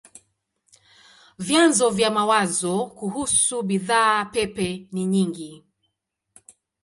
Vyanzo vya mawazo kuhusu bidhaa pepe ni nyingi.